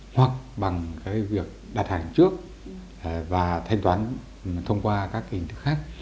hoặc bằng cái việc đặt hàng trước và thanh toán thông qua các hình thức khác